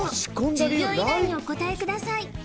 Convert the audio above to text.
１０秒以内にお答えください